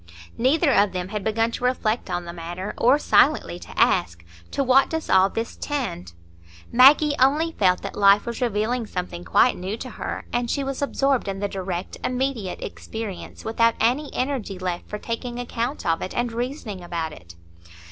Neither of them had begun to reflect on the matter, or silently to ask, "To what does all this tend?" Maggie only felt that life was revealing something quite new to her; and she was absorbed in the direct, immediate experience, without any energy left for taking account of it and reasoning about it.